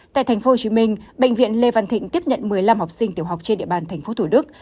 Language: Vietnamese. tại tp hcm bệnh viện lê văn thịnh tiếp nhận một mươi năm học sinh tiểu học trên địa bàn tp thủ đức